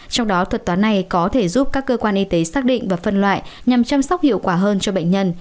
trong đó thuật toán này có thể giúp các cơ quan y tế xác định và phân loại nhằm chăm sóc hiệu quả hơn cho bệnh nhân